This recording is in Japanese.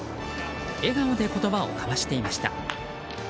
笑顔で言葉を交わしていました。